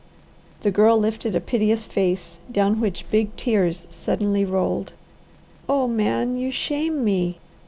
The Girl lifted a piteous face down which big tears suddenly rolled. "Oh Man, you shame me!"